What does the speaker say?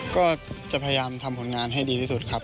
ก็จะพยายามทำผลงานให้ดีที่สุดครับ